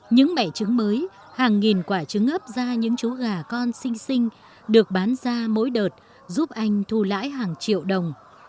những mẻ trứng mới hàng nghìn quả trứng ấp ra những chú gà con sinh sinh được bán ra mỗi đợt giúp anh thu lãi hàng triệu đồng